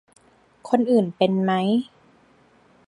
คนอื่นเป็นไหม